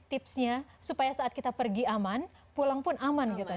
tipsnya supaya saat kita pergi aman pulang pun aman gitu